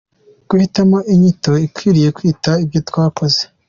Guhitamo inyito ikwiriye twita ibyo twakoze.